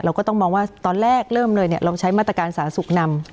ก็ต้องมองว่าตอนแรกเริ่มเลยเนี่ยลองใช้มาตรการสาธารณสุขนำ